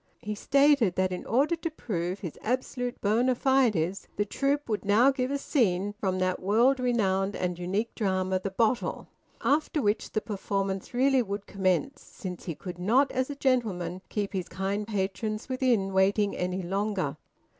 He stated that in order to prove his absolute bona fides the troupe would now give a scene from that world renowned and unique drama, "The Bottle," after which the performance really would commence, since he could not as a gentleman keep his kind patrons within waiting any longer.